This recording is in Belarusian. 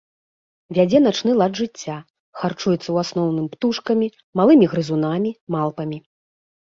Вядзе начны лад жыцця, харчуецца ў асноўным птушкамі, малымі грызунамі, малпамі.